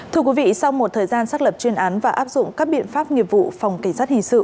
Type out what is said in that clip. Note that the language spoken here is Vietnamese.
thưa quý vị sau một thời gian xác lập chuyên án và áp dụng các biện pháp nghiệp vụ phòng cảnh sát hình sự